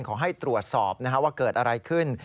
ขอให้ตรวจสอบว่าเกิดอะไรขึ้น